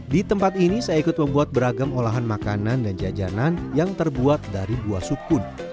di tempat ini saya ikut membuat beragam olahan makanan dan jajanan yang terbuat dari buah sukun